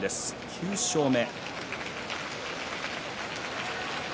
９勝目。